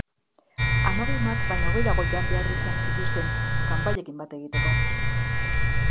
Hamabi mahats baino gehiago jan behar izan zituzten, kanpaiekin bat egiteko.